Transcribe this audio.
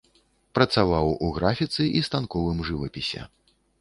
Працаваў у графіцы і станковым жывапісе.